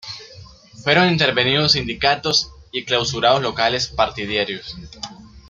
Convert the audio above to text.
Fueron intervenidos sindicatos y clausurados locales partidarios.